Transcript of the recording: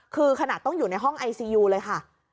คือขนาดต้องอยู่ในห้องไอซียูเลยค่ะ